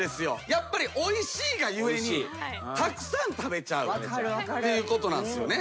やっぱりおいしいが故にたくさん食べちゃうっていうことなんすよね。